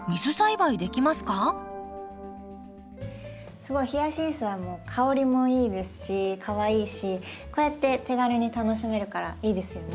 すごいヒヤシンスは香りもいいですしかわいいしこうやって手軽に楽しめるからいいですよね。